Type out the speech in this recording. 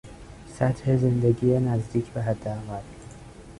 سطح زندگی نزدیک به حداقل